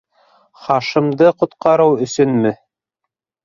Хашимды ҡотҡарыу өсөнмө?